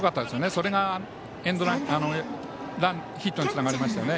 それがヒットにつながりましたよね。